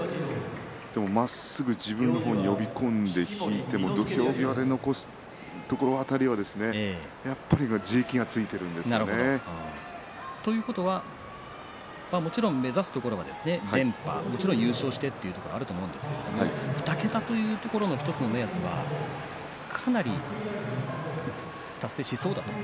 まっすぐ自分の方に呼び込んで引いても土俵際で残す辺りはやっぱり地力がということはもちろん目指すところは連覇、優勝してということはあると思うんですが２桁というところの１つの目安はかなり達成しそうだと。